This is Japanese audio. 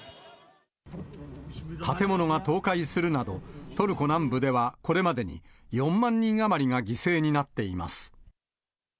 建物が倒壊するなど、トルコ南部ではこれまでに４万人余りが犠牲になっています。